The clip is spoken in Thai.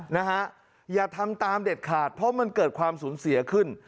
นะฮะอย่าทำตามเด็ดขาดเพราะมันเกิดความสูญเสียขึ้น